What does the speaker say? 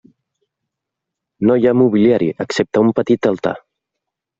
No hi ha mobiliari, excepte un petit altar.